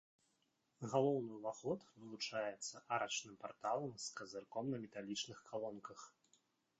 Галоўны ўваход вылучаецца арачным парталам з казырком на металічных калонках.